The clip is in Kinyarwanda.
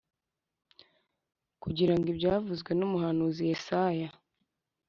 kugira ngo ibyavuzwe n umuhanuzi Yesaya